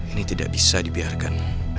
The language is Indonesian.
ini tidak bisa dibiarkan